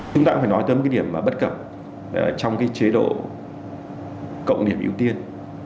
chúng ta cũng phải nói tới một cái điểm bất cập trong cái chế độ cộng điểm ưu tiên